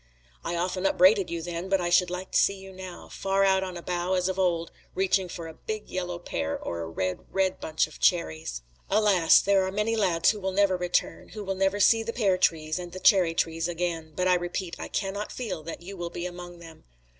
I often upbraided you then, but I should like to see you now, far out on a bough as of old, reaching for a big yellow pear, or a red, red bunch of cherries! Alas! there are many lads who will never return, who will never see the pear trees and the cherry trees again, but I repeat I cannot feel that you will be among them.